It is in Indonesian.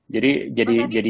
jadi jadi jadi